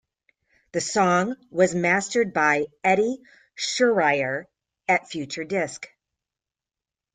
The song was mastered by Eddy Schreyer at Future Disc.